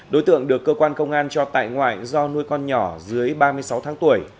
đối tượng được cơ quan công an cho tại ngoại do nuôi con nhỏ dưới ba mươi sáu tháng tuổi